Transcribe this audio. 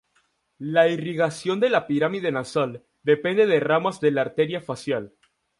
La irrigación de la pirámide nasal depende de ramas de la arteria facial.